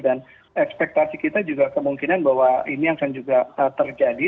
dan ekspektasi kita juga kemungkinan bahwa ini akan juga terjadi